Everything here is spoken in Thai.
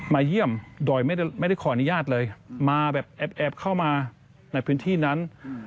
เยี่ยมโดยไม่ได้ขออนุญาตเลยมาแบบแอบเข้ามาในพื้นที่นั้น